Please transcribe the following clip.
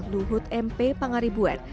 luhut mp pangaribuan